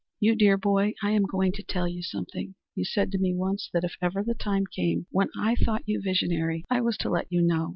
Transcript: "You dear boy, I am going to tell you something. You said to me once that if ever the time came when I thought you visionary, I was to let you know.